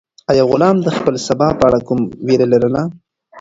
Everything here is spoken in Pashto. آیا غلام د خپل سبا په اړه کومه وېره لرله؟